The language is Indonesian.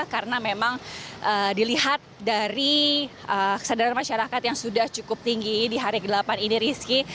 karena memang dilihat dari kesadaran masyarakat yang sudah cukup tinggi di hari ke delapan ini riski